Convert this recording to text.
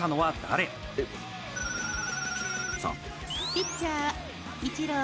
ピッチャーイチロー。